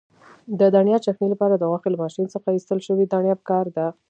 د دڼیا چکنۍ لپاره د غوښې له ماشین څخه ایستل شوې دڼیا پکار ده.